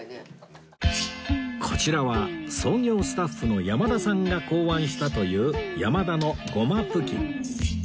こちらは創業スタッフの山田さんが考案したという山田のゴマプキン